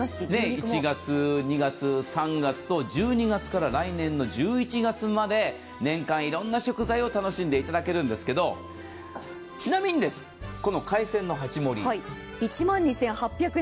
１月、２月、３月と、１２月から来年まで年間いろんな食材を楽しんでいただけるんですけど、ちなみに海鮮の鉢盛り、１万３８００円。